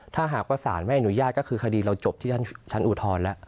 ถ้าหากว่าสารไม่อนุญาตก็คือคดีเราจบที่ชั้นอุทธรณ์แล้ว